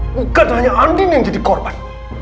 bukan hanya andin yang jadi korban